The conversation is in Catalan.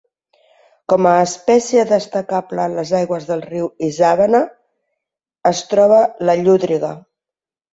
Com a espècie destacable en les aigües del riu Isàvena es troba la llúdriga.